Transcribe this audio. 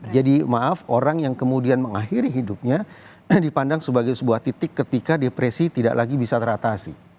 jadi maaf orang yang kemudian mengakhiri hidupnya dipandang sebagai sebuah titik ketika depresi tidak lagi bisa teratasi